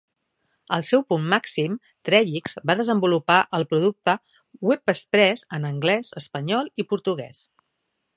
Al seu punt màxim, Trellix va desenvolupar el producte Web Express en anglès, espanyol i portuguès.